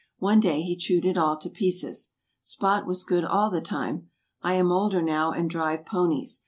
One day he chewed it all to pieces. Spot was good all the time. I am older now, and drive ponies.